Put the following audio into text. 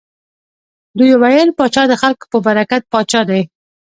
دوی ویل پاچا د خلکو په برکت پاچا دی.